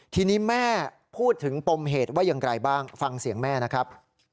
ทีนี้แม่พูดถึงปมเหตุว่าอย่างไรบ้างฟังเสียงแม่นะครับ